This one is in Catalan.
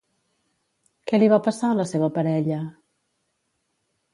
Què li va passar a la seva parella?